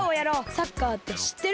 サッカーってしってる？